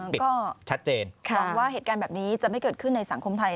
ก็ลองว่าเหตุการณ์แบบนี้จะไม่เกิดขึ้นในสังคมไทย